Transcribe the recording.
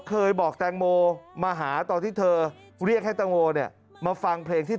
เคยบอกแตงโมมาหาตอนที่เธอเรียกให้แตงโมเนี่ยมาฟังเพลงที่